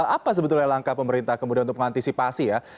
apa sebetulnya langkah pemerintah kemudian untuk mengantisipasi ya